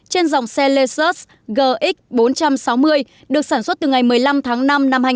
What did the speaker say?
trên dòng xe lezer gx bốn trăm sáu mươi được sản xuất từ ngày một mươi năm tháng năm năm hai nghìn một mươi